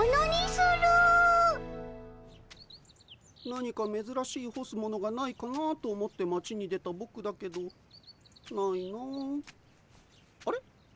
何かめずらしいほすものがないかなと思って町に出たぼくだけどないなああれ？